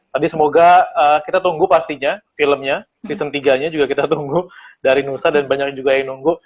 jadi semoga kita tunggu pastinya filmnya season tiga nya juga kita tunggu dari nusa dan banyak juga yang nunggu